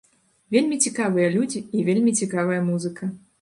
Вельмі цікавыя людзі і вельмі цікавая музыка.